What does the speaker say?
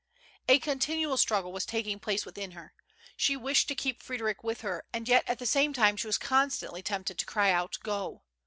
A continual stniggle was taking place within her. She wished to keep Frederic with her, and yet at the same time she was constantly tempted to cry out, " Go